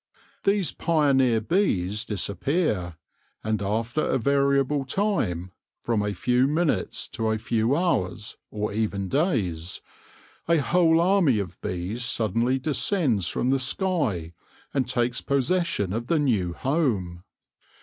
These pioneer bees disappear, and after a variable time, from a few minutes to a few hours, or even days, a whole army of bees suddenly descends from the sky and takes possession of the new home.